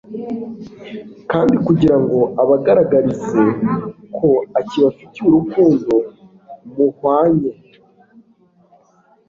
kandi kugira ngo abagaragarize ko akibafitiye urukundo mhwanye